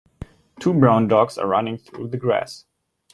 Two brown dogs are running through the grass.